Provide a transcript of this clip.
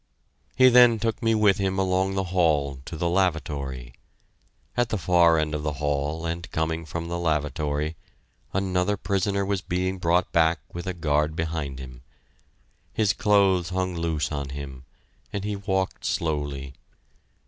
He then took me with him along the hall to the lavatory. At the far end of the hall and coming from the lavatory, another prisoner was being brought back with a guard behind him. His clothes hung loose on him, and he walked slowly.